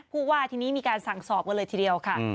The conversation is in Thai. ผู้ว่าทีนี้มีการสั่งสอบกันเลยทีเดียวค่ะ